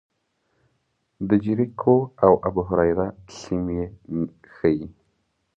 د جریکو او ابوهریره سیمې ښيي.